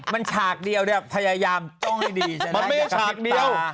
มันฉากเดียวเนี่ยพยายามจ้องให้ดีจะได้อย่างกับพิษตามันไม่ใช่ฉากเดียว